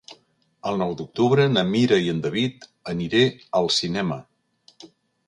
El nou d'octubre na Mira i en David aniré al cinema.